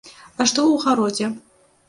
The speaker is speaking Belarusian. А што ў гародзе?